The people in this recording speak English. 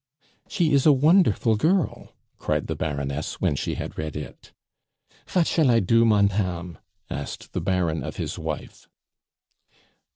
"She is a wonderful girl!" cried the Baroness, when she had read it. "Vat shall I do, montame?" asked the Baron of his wife.